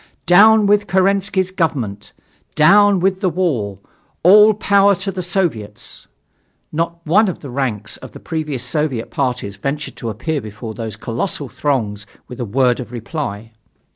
"Down with Kerensky's government! Down with the war! All power to the Soviets!" Not one from the ranks of the previous Soviet parties ventured to appear before those colossal throngs with a word of reply.